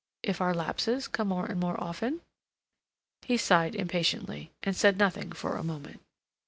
"If our lapses come more and more often?" He sighed impatiently, and said nothing for a moment.